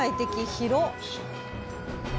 広っ！